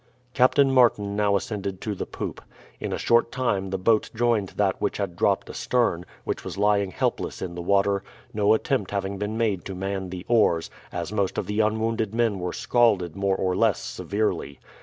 Captain Martin now ascended to the poop. In a short time the boat joined that which had dropped astern, which was lying helpless in the water, no attempt having been made to man the oars, as most of the unwounded men were scalded more or less severely.